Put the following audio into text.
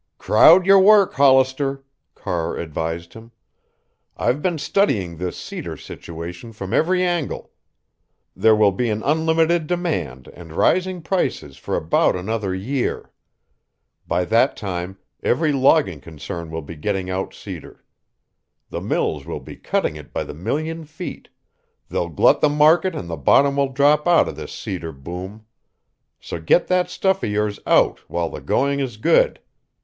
"Crowd your work, Hollister," Carr advised him. "I've been studying this cedar situation from every angle. There will be an unlimited demand and rising prices for about another year. By that time every logging concern will be getting out cedar. The mills will be cutting it by the million feet. They'll glut the market and the bottom will drop out of this cedar boom. So get that stuff of yours out while the going is good.